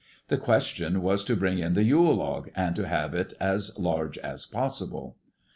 The question was to bring in the Yule log and to have it as large as possible.